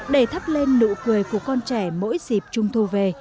để thắp lên nụ cười của con trẻ mỗi dịp trung thu về